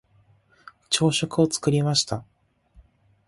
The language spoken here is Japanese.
朝食を作りました。